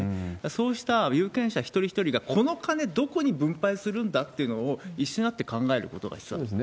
そうした有権者一人一人が、この金どこに分配するんだ？っていうのを、一緒になって考えることが必要です。